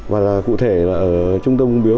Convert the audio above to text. và cụ thể là ở trung tâm ung bướu